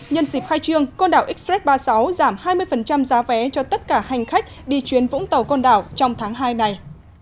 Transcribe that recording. nhân dịp khai trương con đảo express ba mươi sáu giảm hai mươi giá vé cho tất cả hành khách đi chuyến vũng tàu con đảo trong tháng hai này